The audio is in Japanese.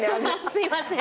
すいません。